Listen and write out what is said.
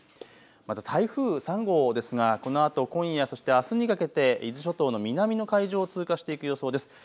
また台風３号ですがこのあと今夜、そしてあすにかけて伊豆諸島の南の海上を通過していく予想です。